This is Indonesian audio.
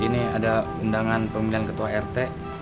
ini ada undangan pemilihan ketua rt